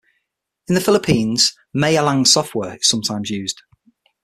In The Philippines, "malayang software" is sometimes used.